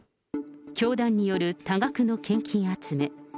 教団による多額の献金集め。